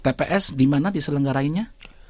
tps di mana diselenggarainya